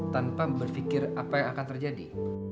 tanpa berpikir apa yang akan terjadi